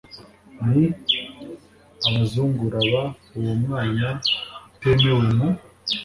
n abazungura b uwo mwana utemewe mu